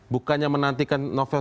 bukannya menantikan novel